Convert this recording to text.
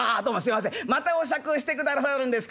またお酌をして下さるんですか